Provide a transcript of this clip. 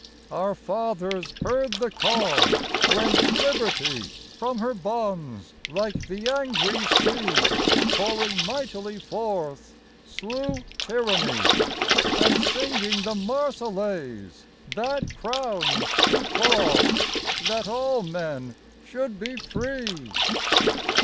Our fathers heard the call, When Liberty from her bonds like the angry sea, Pouring mightily forth, slew tyranny, And singing the Marseillaise, bade crowns to fall, That all men should be free!